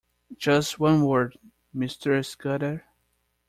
Just one word, Mr Scudder.